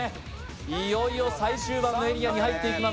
いよいよ最終エリアに入っていきます。